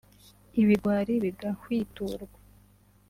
ibigwari bigahwiturwa